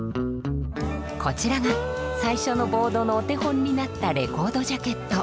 こちらが最初のボードのお手本になったレコードジャケット。